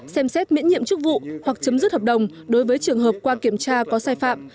xem xét miễn nhiệm chức vụ hoặc chấm dứt hợp đồng đối với trường hợp qua kiểm tra có sai phạm